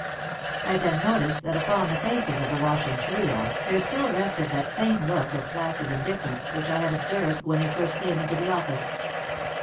I then noticed that upon the faces of the washing trio there still rested that same look of placid in difference which I had observed when they first came into the office.